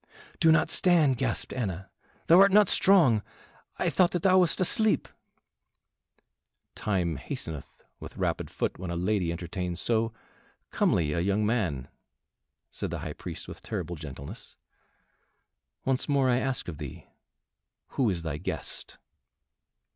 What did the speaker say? "Do not stand," gasped Anna. "Thou art not strong. I thought that thou wast asleep." "Time hasteneth with rapid foot when a lady entertains so comely a young man," said the High Priest with a terrible gentleness. "Once more I ask of thee, who is thy guest?"